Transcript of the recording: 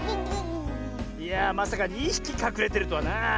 いやあまさか２ひきかくれてるとはなあ。